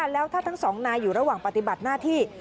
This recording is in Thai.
แล้วถ้าทั้งสองนายอยู่ระหว่างปฏิบัติหน้าที่